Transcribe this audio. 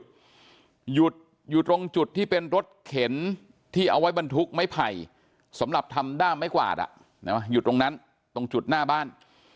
หยุดอยู่ตรงจุดที่เป็นรถเข็นที่เอาไว้บรรทุกไม้ไผ่สำหรับทำด้ามไม้กวาดหยุดตรงนั้นตรงจุดหน้าบ้าน